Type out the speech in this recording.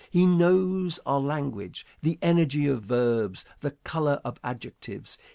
He knows our language, the energy of verbs, the color of adjectives.